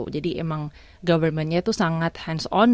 jadi emang governmentnya itu sangat hands on